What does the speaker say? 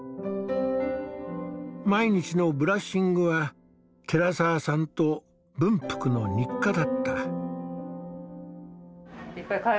毎日のブラッシングは寺澤さんと文福の日課だった。